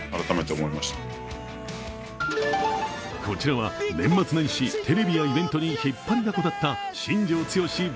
こちらは年末年始、テレビやイベントに引っ張りだこだった新庄剛志